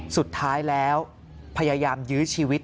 สุดท้ายแล้วพยายามยื้อชีวิต